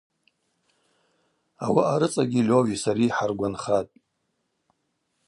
Ауаъа рыцӏагьи Льови сари хӏаргванхатӏ.